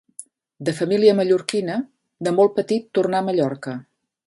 De família mallorquina, de molt petit tornà a Mallorca.